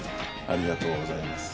ありがとうございます。